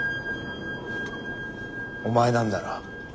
お前なんだろ？